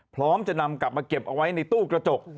พร้อมจะนำกลับมาเก็บเอาไว้ในตู้กระจก